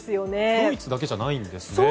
ドイツだけじゃないんですね。